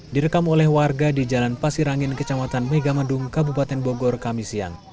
direkam oleh warga di jalan pasir angin kecamatan megamendung kabupaten bogor kami siang